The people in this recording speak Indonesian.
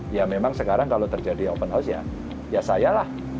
ya memang sekarang kalau terjadi open house ya ya saya lah